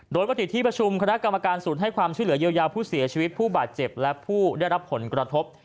โดยปกติที่ประชุมคณะกรรมการศูนย์ให้ความช่วยเหลือเยียวยาผู้เสียชีวิตผู้บาดเจ็บและผู้ได้รับผลกระทบ